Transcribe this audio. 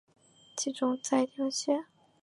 其冢在谯县。